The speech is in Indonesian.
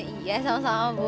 iya sama sama bu